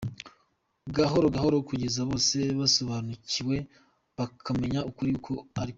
Gahoro gahoro kugeza bose basobanukiwe, bakamenya ukuri uko arikwo.